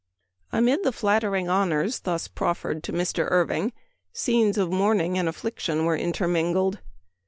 Amid the flattering honors thus proffered to Mr. Irving scenes of mourning and affliction were intermingled.